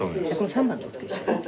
３番お付けしますね。